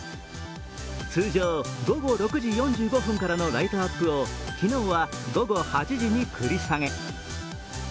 通常、午後６時４５分からのライトアップを昨日は午後８時に繰り下げ。